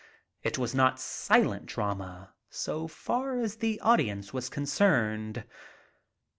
It was not silent drama so far as the audience was concerned.